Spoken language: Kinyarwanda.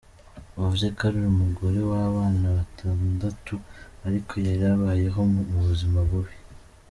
Avuze ko ari umugore w’abana batandatu ariko yari abayeho mu buzima bubi.